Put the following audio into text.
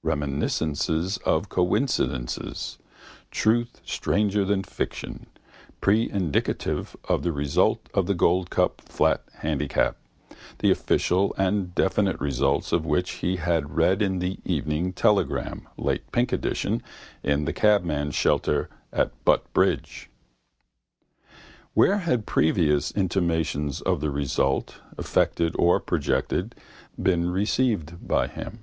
Reminiscences of coincidences, truth stranger than fiction, preindicative of the result of the Gold Cup flat handicap, the official and definitive result of which he had read in the Evening Telegraph, late pink edition, in the cabman's shelter, at Butt bridge. Where had previous intimations of the result, effected or projected, been received by him?